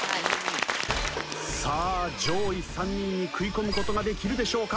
さあ上位３人に食い込む事ができるでしょうか。